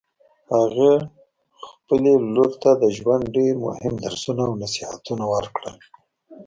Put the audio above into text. هغې خپلې لور ته د ژوند ډېر مهم درسونه او نصیحتونه ورکړل